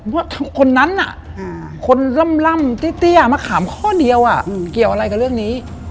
ว่าคนนั้นคนล่ำเตี้ยมะขามข้อเดียวเกี่ยวอะไรกับเรื่องนี้